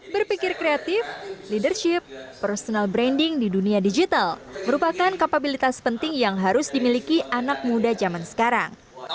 berpikir kreatif leadership personal branding di dunia digital merupakan kapabilitas penting yang harus dimiliki anak muda zaman sekarang